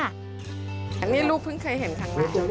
อันนี้ลูกเพิ่งเคยเห็นครั้งแรกเลย